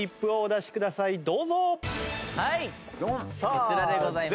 こちらでございます。